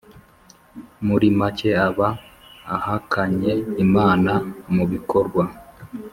muri make aba ahakanyeimana mu bikorwa